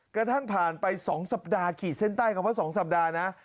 กระทั่งผ่านไป๒สัปดาห์ขีดเส้นใต้คำว่า๒สัปดาห์นะ